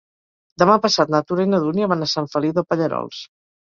Demà passat na Tura i na Dúnia van a Sant Feliu de Pallerols.